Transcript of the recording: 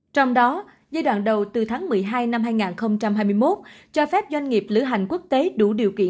trong đó giai đoạn đầu từ tháng một mươi hai năm hai nghìn hai mươi một cho phép doanh nghiệp lữ hành quốc tế đủ điều kiện